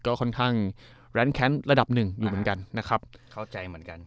ก็ค่อนข้างแร้นแค้นระดับหนึ่งอยู่เหมือนกัน